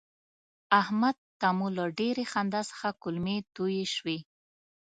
احمد ته مو له ډېرې خندا څخه کولمې توی شوې.